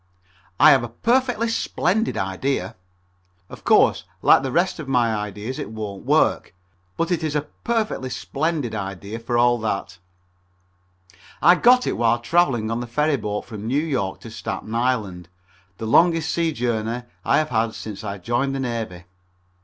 _ I have a perfectly splendid idea. Of course, like the rest of my ideas it won't work, but it is a perfectly splendid idea for all that. I got it while traveling on the ferry boat from New York to Staten Island the longest sea voyage I have had since I joined the Navy.